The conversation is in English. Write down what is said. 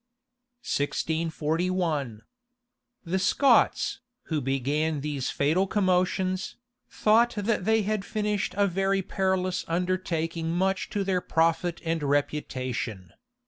{1641.} THE Scots, who began these fatal commotions, thought that they had finished a very perilous undertaking much to their profit and reputation.